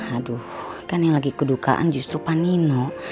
aduh kan yang lagi kedukaan justru panino